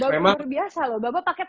memang luar biasa loh baba paket